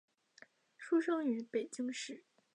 出生于北京市。